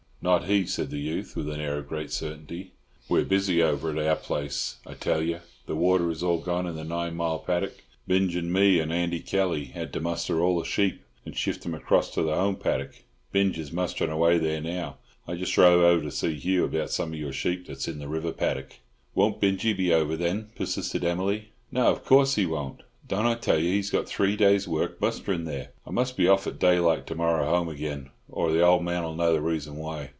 "Not he," said the youth, with an air of great certainty. We're busy over at our place, I tell you. The water is all gone in the nine mile paddick. Binj an me and Andy Kelly had to muster all the sheep and shift 'em across to the home paddick. Binj is musterin' away there now. I just rode over to see Hugh about some of your sheep that's in the river paddick." "Won't Binjie be over, then?" persisted Emily. "No, of course he won't. Don't I tell you he's got three days' work musterin' there? I must be off at daylight to morrow, home again, or the old man'll know the reason why."